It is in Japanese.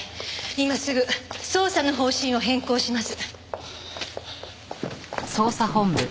今すぐ捜査の方針を変更します。